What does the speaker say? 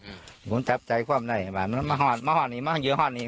อืมคุณจับใจความหน่อยมาหอดมาหอดนี่มาหอดนี่หอดนี่